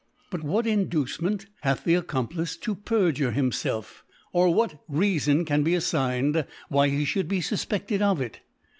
But what Inducement hath the Accom plice to perjure himfflf, or what Reafon can be affigned why he fhould be fufpefted of it